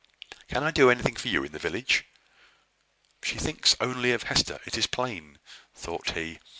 Can I do anything for you in the village?" "She thinks only of Hester, it is plain," thought he.